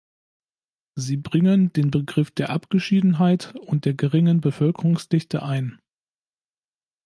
Sie bringen den Begriff der Abgeschiedenheit und der geringen Bevölkerungsdichte ein.